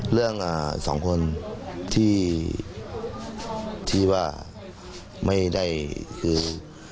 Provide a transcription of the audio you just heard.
เรื่องสองคนที่ว่าไม่ได้คือ